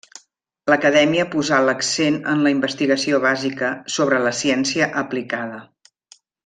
L'Acadèmia posà l'accent en la investigació bàsica sobre la ciència aplicada.